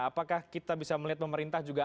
apakah kita bisa melihat pemerintah juga